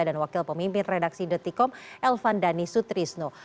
dan wakil pemimpin redaksi dtkom elvan dhani sutrisno